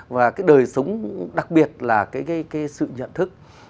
và cái đời sống đặc biệt là cái sự nhận thức